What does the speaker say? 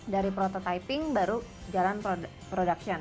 dari prototyping baru jalan production